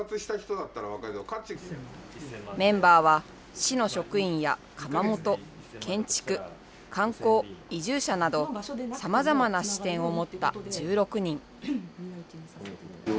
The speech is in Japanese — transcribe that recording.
メンバーは、市の職員や窯元、建築、観光、移住者など、さまざまな視点を持った１６人。